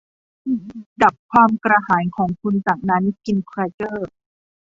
ดับความกระหายของคุณจากนั้นกินแครกเกอร์